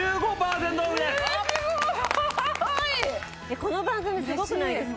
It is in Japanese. この番組すごくないですか？